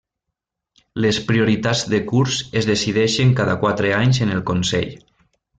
Les prioritats de curs es decideixen cada quatre anys en el Consell.